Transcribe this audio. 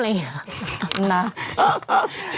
หญิงดาม